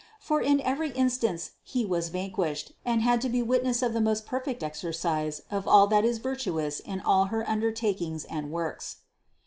For in every instance he was vanquished and had to be witness of the most perfect exercise of all that is virtuous in all her under takings and works.